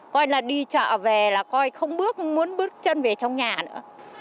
coi là đi chợ về là coi không bước muốn bước chân về trong nhà nữa